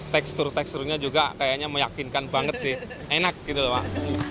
tekstur teksturnya juga kayaknya meyakinkan banget sih enak gitu loh pak